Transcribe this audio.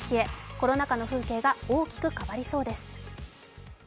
コロナ禍の風景が大きく変わりそうです。